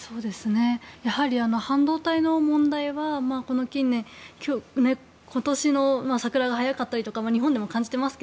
やはり半導体の問題は近年今年の桜が早かったりとか日本でも感じてます